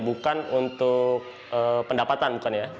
bukan untuk pendapatan